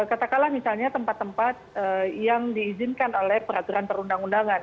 katakanlah misalnya tempat tempat yang diizinkan oleh peraturan perundang undangan